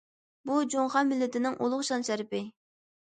بۇ، جۇڭخۇا مىللىتىنىڭ ئۇلۇغ شان- شەرىپى!